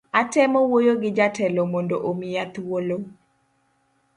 Atemo wuoyo gi jatelo mondo omiya thuolo